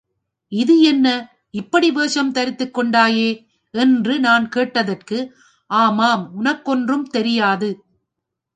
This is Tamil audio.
இது என்ன இப்படி வேஷம் தரித்துக் கொண்டாயே! என்று நான் கேட்டதற்கு, ஆமாம், உனக்கொன்றும் தெரியாது.